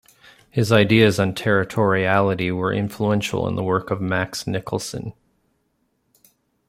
His ideas on territoriality were influential in the work of Max Nicholson.